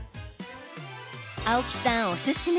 青木さんおすすめ